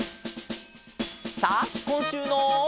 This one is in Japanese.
さあこんしゅうの。